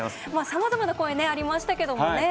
さまざまな声ねありましたけどもね。